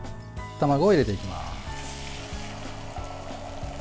卵を入れていきます。